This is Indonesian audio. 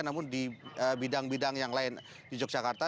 namun di bidang bidang yang lain di yogyakarta